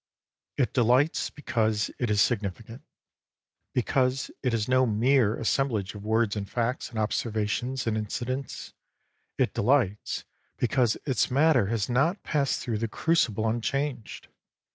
It delights because it is significant, because it is no mere assemblage of words and facts and observations and incidents; it delights because its matter has not passed through the crucible unchanged.